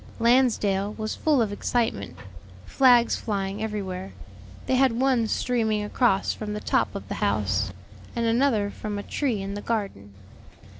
Lansdale was full of excitement, flags flying everywhere; they had one streaming across from the top of the house, and another from a tree in the garden.